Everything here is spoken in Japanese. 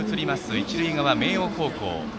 一塁側の明桜高校。